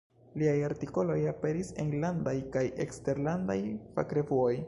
Liaj artikoloj aperis enlandaj kaj eksterlandaj fakrevuoj.